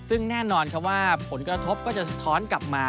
ซึ่งแน่นอนครับว่าผลกระทบก็จะสะท้อนกลับมา